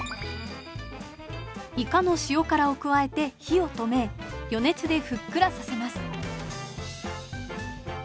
いかの塩辛を加えて火を止め余熱でふっくらさせます。